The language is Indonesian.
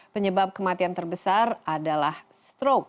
penyebab kematian terbesar adalah stroke